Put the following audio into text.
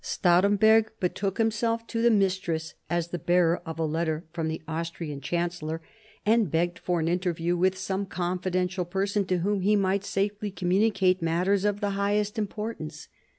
Two days after the receipt of his instructions, Stahremberg betook himself to the mistress, as the bearer of a letter from the Austrian chancellor, and begged for an interview with some confidential person to whom he might safely communicate matters of the highest importance.